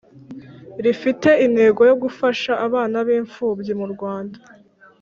rifite intego yo gufasha abana b impfubyi mu Rwanda